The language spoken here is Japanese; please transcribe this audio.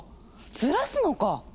ずらすのか！